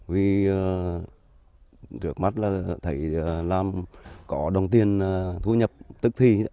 vì trước mắt là thầy làm có đồng tiền thu nhập tức thi